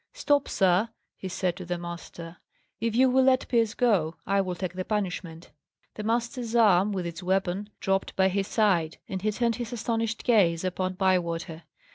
"Stop, sir!" he said to the master. "If you will let Pierce go, I will take the punishment." The master's arm with its weapon dropped by his side, and he turned his astonished gaze upon Bywater.